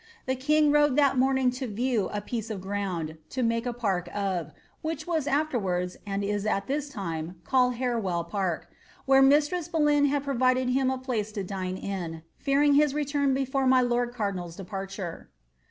The king rode that morning to view a piece of ground to make a park of (which was afWrwards, and is at this time, called Harewell Park), where mistress Anne had provided him a place to dine in, fearinr his return before my lord cardinal's departure."